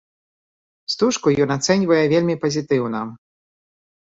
Стужку ён ацэньвае вельмі пазітыўна.